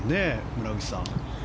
村口さん。